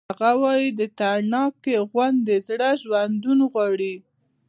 هغه وایی د تڼاکې غوندې زړه ژوندون غواړي